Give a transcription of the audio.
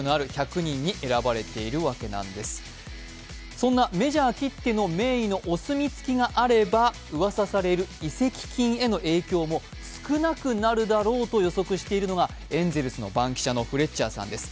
そんなメジャーきっての名医のお墨付きがあればうわさされる移籍金への影響も少なくなるだろうと予測しているのがエンゼルスの番記者のフレッチャーさんです。